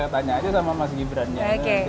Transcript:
tanya aja sama mas gibran nya